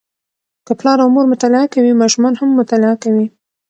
که پلار او مور مطالعه کوي، ماشومان هم مطالعه کوي.